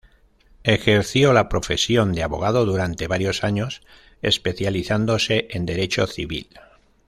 Ejerció la profesión de abogado durante varios años, especializándose en Derecho Civil.